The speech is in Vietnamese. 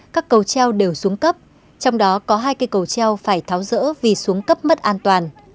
các cầu treo đều xuống cấp trong đó có hai cây cầu treo phải tháo rỡ vì xuống cấp mất an toàn